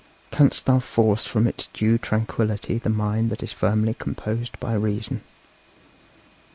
Canst thou force from its due tranquillity the mind that is firmly composed by reason?